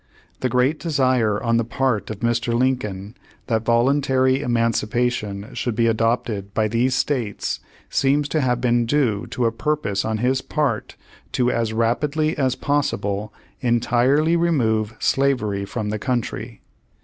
The great desire on the part of Mr. Lincoln that voluntary emancipation should be adopted by these states seems to have been due to a purpose on his part to as rapidly as possible entirely remove slavery from the country.